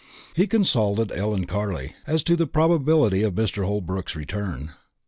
He consulted Ellen Carley as to the probability of Mr. Holbrook's return.